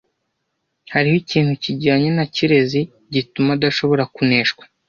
Hariho ikintu kijanye na Kirezi gituma adashobora kuneshwa.